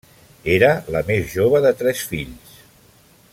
Era la més jove de tres fills.